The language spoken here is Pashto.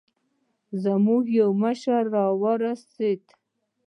زموږ يو مشر راورسېد.